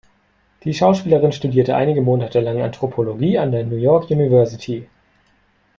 Die Schauspielerin studierte einige Monate lang Anthropologie an der New York University.